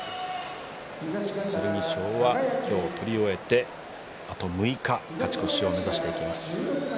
剣翔は今日取り終えてあと６日、勝ち越しを目指していきます。